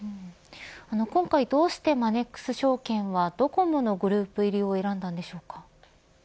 今回どうして、マネックス証券はドコモのグループ入りを選んだのでしょうか。